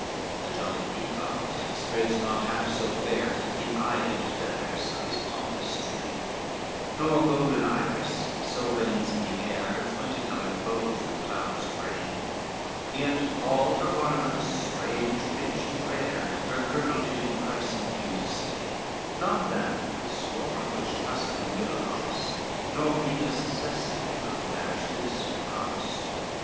XXIV The jolly peacock spreads not half so fair The eyed feathers of his pompous train; Nor golden Iris so bends in the air Her twenty colored bow, through clouds of rain; Yet all her ornaments, strange, rich and rare, Her girdle did in price and beauty stain, Nor that, with scorn, which Tuscan Guilla lost, Igor Venus Ceston, could match this for cost.